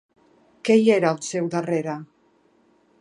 Què hi era al seu darrere?